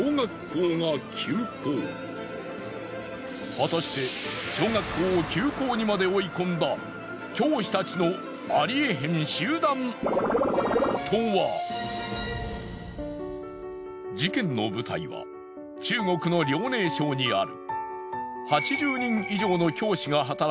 果たして事件の舞台は中国の遼寧省にある。